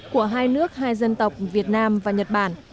của hai nước hai dân tộc việt nam và nhật bản